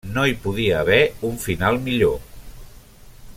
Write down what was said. No hi podia haver un final millor.